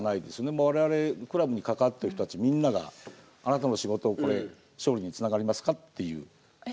もう我々クラブに関わってる人たちみんながあなたの仕事これ勝利につながりますかっていう問いかけが。